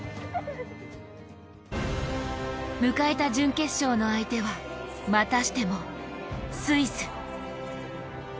迎えた準決勝の相手はまたしてもスイス。